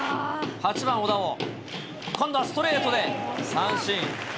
８番おだを今度はストレートで三振。